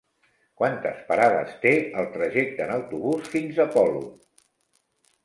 Quantes parades té el trajecte en autobús fins a Polop?